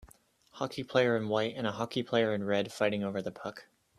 Hockey player in white and a hockey player in red fighting over the puck